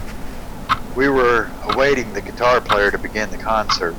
We were awaiting the guitar player to begin the concert.